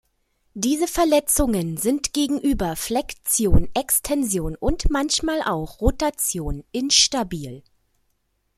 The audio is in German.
Diese Verletzungen sind gegenüber Flexion, Extension und manchmal auch Rotation instabil.